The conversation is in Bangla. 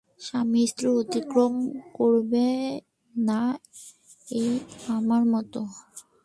স্বামীও স্ত্রীকে অতিক্রম করবে না– এই আমার মত।